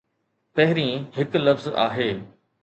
پهرين هڪ لفظ آهي.